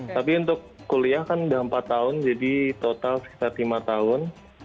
tapi untuk kuliah kan sudah empat tahun jadi total sekitar lima tahun